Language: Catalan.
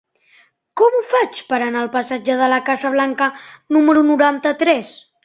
Com ho faig per anar al passatge de la Casa Blanca número noranta-tres?